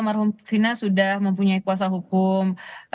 amar humfina sudah mempunyai kuasa hukum